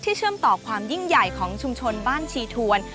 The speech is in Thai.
เชื่อมต่อความยิ่งใหญ่ของชุมชนบ้านชีทวน